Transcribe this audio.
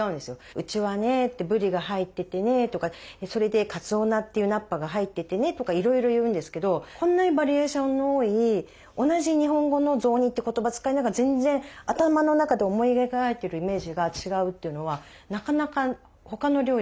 「うちはねぶりが入っててね」とかそれで「かつお菜っていう菜っ葉が入っててね」とかいろいろ言うんですけどこんなにバリエーションの多い同じ日本語の「雑煮」って言葉使いながら全然頭の中で思い描いてるイメージが違うっていうのはなかなか他の料理ではない。